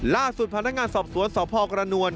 ล่าสุดพนักงานสอบสวนสพกระนวล